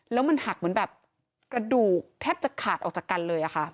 แล้วมันหักเหมือนแบบกระดูกแทบจะขาดออกจากกันเลยค่ะ